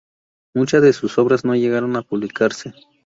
Muchas de sus obras no llegaron a publicarse.